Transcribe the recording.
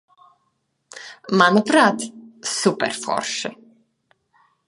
Manuprāt, superforši.